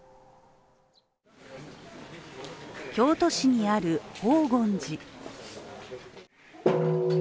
京都市にある法厳寺。